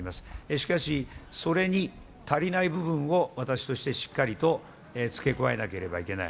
しかし、それに足りない部分を私としてしっかりと付け加えなければいけない。